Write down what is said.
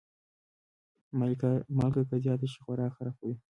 مالګه که زیاته شي، خوراک خرابوي.